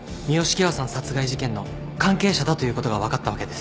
殺害事件の関係者だということが分かったわけです。